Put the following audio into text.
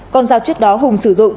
con dao trước đó hùng sử dụng